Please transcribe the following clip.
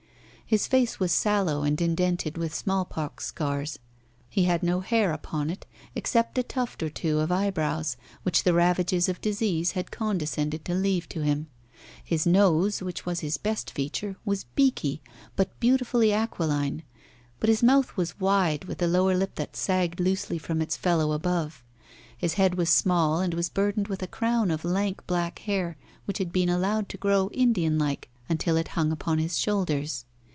His face was sallow, and indented with smallpox scars. He had no hair upon it, except a tuft or two of eyebrows, which the ravages of disease had condescended to leave to him. His nose, which was his best feature, was beaky, but beautifully aquiline; but his mouth was wide, with a lower lip that sagged loosely from its fellow above. His head was small, and was burdened with a crown of lank black hair which had been allowed to grow Indian like until it hung upon his shoulders.